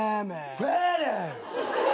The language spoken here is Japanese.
ファラオ。